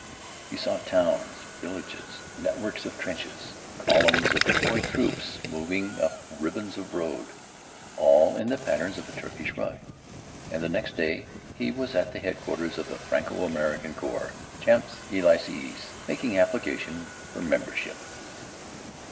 He saw towns, villages, networks of trenches, columns of toy troops moving up ribbons of road all in the patterns of a Turkish rug. And the next day, he was at the headquarters of the Franco American Corps, in the Champs Élysées, making application for membership.